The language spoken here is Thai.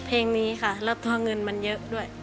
เพลงนี้ค่ะแล้วตัวเงินมันเยอะด้วย